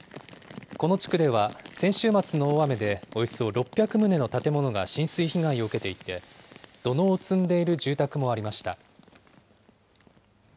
この地区では、先週末の大雨でおよそ６００棟の建物が浸水被害を受けていて、土のうを積んでいる住宅もありました。